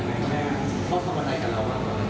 เพราะเขามาได้กับเรามากกว่า